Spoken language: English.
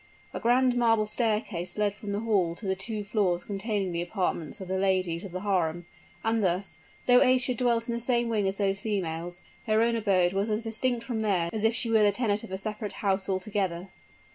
A grand marble staircase led from the hall to the two floors containing the apartments of the ladies of the harem; and thus, though Aischa dwelt in the same wing as those females, her own abode was as distinct from theirs as if she were the tenant of a separate house altogether.